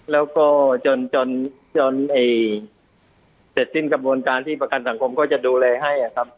แล้วก็จนเสร็จสิ้นกระบวนการที่ประกันสังคมก็จะดูแลให้ครับ